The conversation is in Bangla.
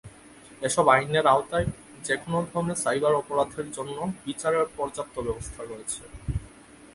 এসব আইনের আওতায় যেকোনো ধরনের সাইবার অপরাধের জন্য বিচারের পর্যাপ্ত ব্যবস্থা রয়েছে।